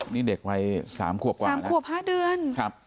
นี่เด็กวัย๓ขวบกว่าสามขวบ๕เดือน